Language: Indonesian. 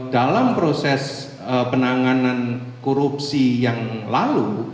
dalam proses penanganan korupsi yang lalu